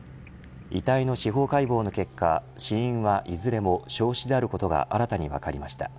遺体の司法解剖の結果死因はいずれも焼死であることが新たに分かりました。